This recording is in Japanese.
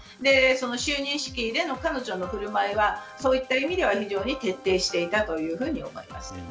就任式での彼女の振る舞いはそういった意味では、非常に徹底していたというふうに思います。